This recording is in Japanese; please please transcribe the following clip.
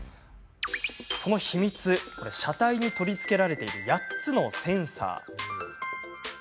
その秘密車体に取り付けられている８つのセンサー。